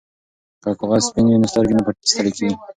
که کاغذ سپین وي نو سترګې نه ستړې کیږي.